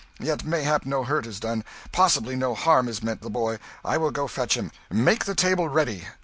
Yet mayhap no hurt is done. Possibly no harm is meant the boy. I will go fetch him. Make the table ready.